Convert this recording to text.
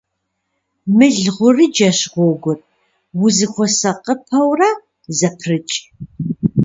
Мыл гъурыджэщ гъуэгур, ухуэсакъыпэурэ зэпрыкӏ.